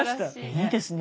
いいですね。